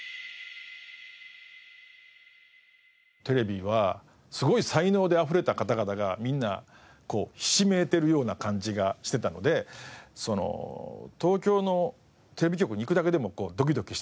テレビはすごい才能であふれた方々がみんなひしめいているような感じがしてたので東京のテレビ局に行くだけでもドキドキしてて。